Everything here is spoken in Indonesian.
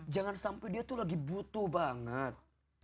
jangan sampai dia tuh lagi butuh banget